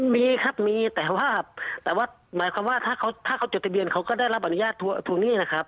มีครับมีแต่ว่าแต่ว่าหมายความว่าถ้าเขาจดทะเบียนเขาก็ได้รับอนุญาตทวงหนี้นะครับ